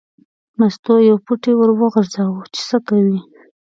مستو یو پوټی ور وغورځاوه چې څه کوي.